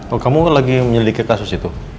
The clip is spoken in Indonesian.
oh kamu lagi menyelidiki kasus itu